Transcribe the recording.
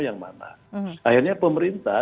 yang mana akhirnya pemerintah